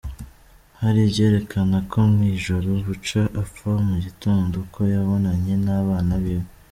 Hari ivyerekana ko mw'ijoro buca apfa mu gitondo, ko yabonanye n'abana biwe.